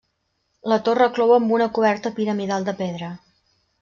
La torre clou amb una coberta piramidal de pedra.